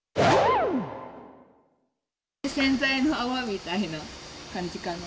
洗剤の泡みたいな感じかな。